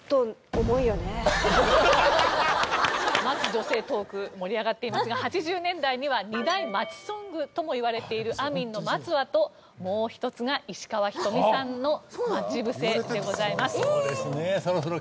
待つ女性トーク盛り上がっていますが８０年代には２大待ちソングともいわれているあみんの『待つわ』ともう一つが石川ひとみさんの『まちぶせ』でございます。